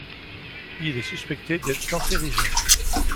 Il est suspecté d'être cancérigène.